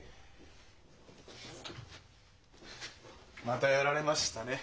またやられましたね。